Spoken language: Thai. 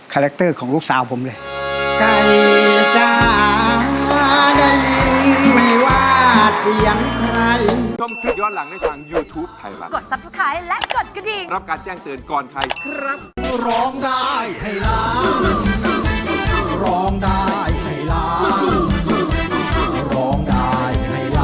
แรคเตอร์ของลูกสาวผมเลย